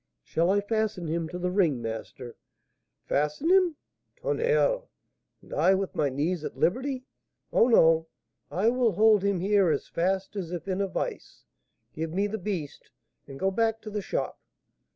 "Shall I fasten him to the ring, master?" "Fasten him! Tonnerre! and I with my knees at liberty? Oh, no; I will hold him here as fast as if in a vice. Give me the beast, and go back to the shop."